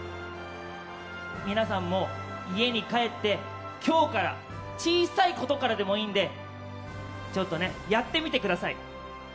皆さんも家に帰って今日から小さいことからでもいいのでやってみてください。